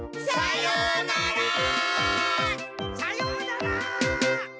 さようなら！